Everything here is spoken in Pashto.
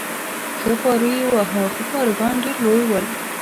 ښه پارو یې واهه، خو پاروګان ډېر لوی ول.